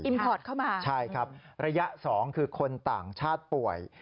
พอร์ตเข้ามาใช่ครับระยะสองคือคนต่างชาติป่วย